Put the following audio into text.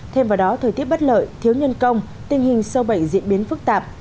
thêm vào đó thời tiết bất lợi thiếu nhân công tình hình sâu bệnh diễn biến phức tạp